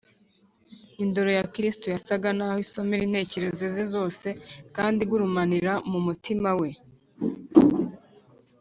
indoro ya kristo yasaga n’aho isoma intekerezo ze zose kandi igurumanira mu mutima we